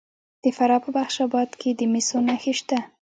د فراه په بخش اباد کې د مسو نښې شته.